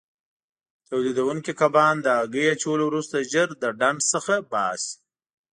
تولیدوونکي کبان له هګۍ اچولو وروسته ژر له ډنډ څخه باسي.